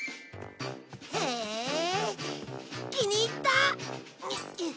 へえ気に入った！